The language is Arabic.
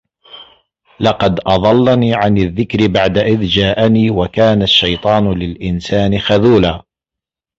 لَقَد أَضَلَّني عَنِ الذِّكرِ بَعدَ إِذ جاءَني وَكانَ الشَّيطانُ لِلإِنسانِ خَذولًا